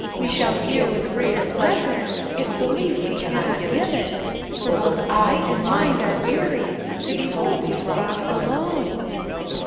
We shall hear with greater pleasure, if belief we can not give it, For both eye and mind are weary, to behold these rocks alone.